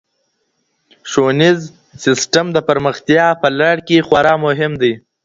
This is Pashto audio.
ښوونيز سيستم د پرمختيا په لړ کي خورا مهم دی.